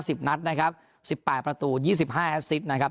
สิบนัดนะครับสิบแปดประตูยี่สิบห้าแอสซิดนะครับ